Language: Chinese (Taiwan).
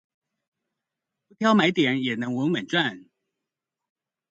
不挑買點也能穩穩賺